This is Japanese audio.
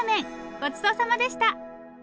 ごちそうさまでした！